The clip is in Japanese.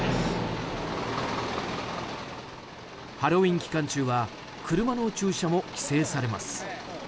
ハロウィーン期間中は車の駐車も規制されます。